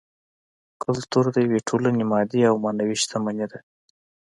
کولتور د یوې ټولنې مادي او معنوي شتمني ده